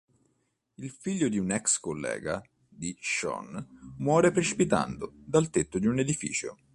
Il figlio di un ex collega di Sean muore precipitando dal tetto un edificio.